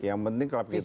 yang penting klub kita